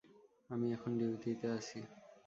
আমি এখন ডিউটিতে আছি।